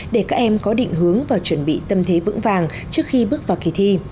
để các em có định hướng và chuẩn bị tâm thế vững vàng trước khi bước vào kỳ thi